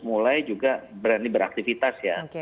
mulai juga berani beraktivitas ya